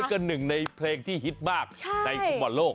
ก็หนึ่งในเพลงที่ฮิตมากในฟุตบอลโลก